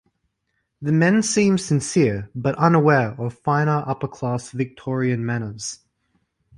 The men seem sincere but unaware of finer upper-class Victorian manners.